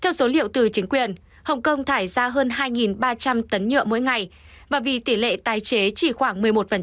theo số liệu từ chính quyền hồng kông thải ra hơn hai ba trăm linh tấn nhựa mỗi ngày và vì tỷ lệ tái chế chỉ khoảng một mươi một